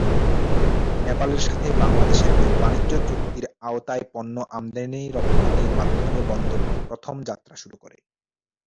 নেপালের সাথে বাংলাদেশের এক বাণিজ্য চুক্তির আওতায় পণ্য আমদানি-রপ্তানির মাধ্যমে বন্দরটি প্রথম যাত্রা শুরু করে।